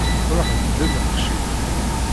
Ṛuḥ beddel lqecc-ik.